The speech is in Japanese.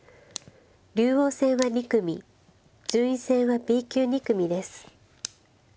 竜王戦は２組順位戦はＢ級２組です。